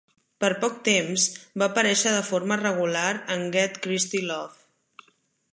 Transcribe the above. Per poc temps, va aparèixer de forma regular en "Get Christie Love!"